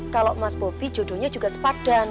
kalau mas bobi jodohnya juga sepadan